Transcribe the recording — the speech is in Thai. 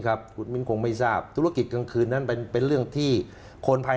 ครับคุณมิ้นคงไม่ทราบธุรกิจกลางคืนนั้นเป็นเรื่องที่คนภาย